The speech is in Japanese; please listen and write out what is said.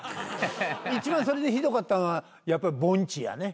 一番それでひどかったのはやっぱぼんちやね。